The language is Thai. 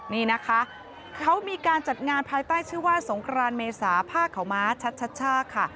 นี่นะคะเขามีการจัดงานภายใต้ชื่อว่าสงครานเมษาผ้าขาวม้าชัดค่ะ